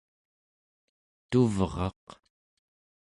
tuvraq